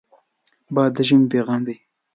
باد د ژمې پیغام دی